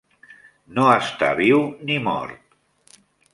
No està viu ni mort.